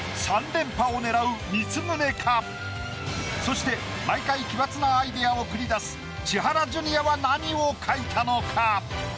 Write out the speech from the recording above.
そして毎回奇抜なアイデアを繰り出す千原ジュニアは何を描いたのか？